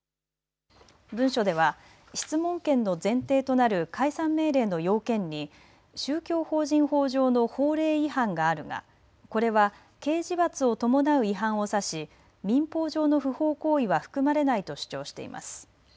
文書では質問権の前提となる解散命令の要件に宗教法人法上の法令違反があるが、これは刑事罰を伴う違反を指し民法上の不法行為は含まれないと主張しています。